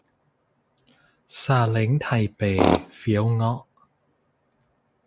ซาเล้งไทเป เฟี๊ยวเงาะ